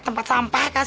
tempat sampah kek